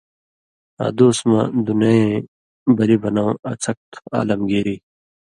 ادُوس مہ دُنئ یَیں بلی بنٶں اڅھَک تھُو۔ (عالمگیری)۔